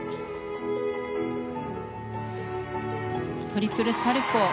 トリプルサルコウ。